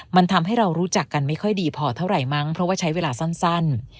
มันทำให้เรารู้จักกันไม่ค่อยดีพอเท่าไหร่มั้งเพราะว่าใช้เวลาสั้น